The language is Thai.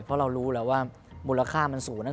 เพราะเรารู้แล้วว่ามูลค่ามันสูง